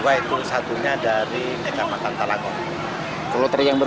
dua itu satunya dari kecamatan